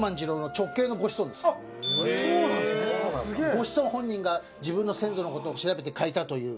ご子孫本人が自分の先祖の事を調べて書いたという。